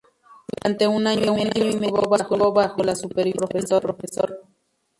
Durante un año y medio estuvo bajo la supervisión del Profesor Gr.